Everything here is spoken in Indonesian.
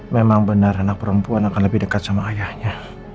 memang benar anak perempuan akan lebih dekat sama ayahnya